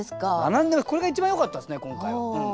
これが一番よかったですね今回。